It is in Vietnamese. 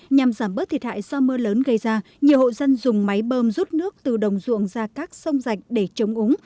nhằm giảm bớt thiệt hại do mưa lớn gây ra nhiều hộ dân dùng máy bơm rút nước từ đồng ruộng ra các sông rạch để chống úng